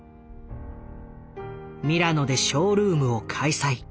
ミラノでショールームを開催。